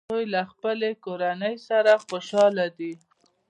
هغوی له خپلې کورنۍ سره خوشحاله دي